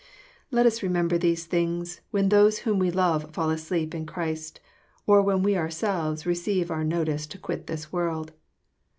Let us remember these things when those whom wo love fall asleep in Christ, or when we ourselves receive our no tice to quit this world.